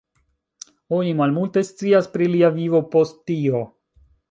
Oni malmulte scias pri lia vivo post tio.